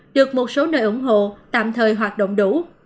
được một số nơi ủng hộ tạm thời hoạt động đủ